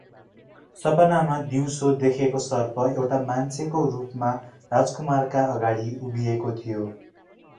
सपनामा दिउँसो देखेको सर्प एउटा मान्छेको रूपमा राजकुमारका अगाडि उभिएको थियो ।